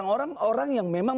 orang orang yang memang